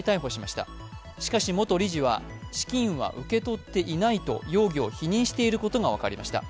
しかし元理事は資金は受け取っていないと容疑を否認していることが分かりました。